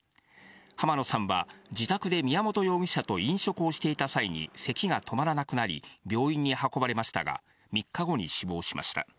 浜野さんは、自宅で宮本容疑者と飲食をしていた際にせきが止まらなくなり、病院に運ばれましたが、３日後に死亡しました。